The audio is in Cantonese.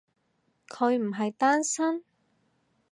佢唔係單身？